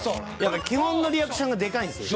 基本のリアクションがでかいんですよ。